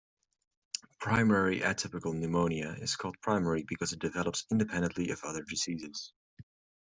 "Primary atypical pneumonia" is called "primary" because it develops independently of other diseases.